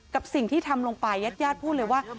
กับสิ่งที่ทำลงไปยัดพูดเลยว่า